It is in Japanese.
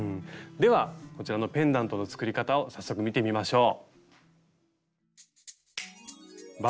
ではこちらのペンダントの作り方を早速見てみましょう。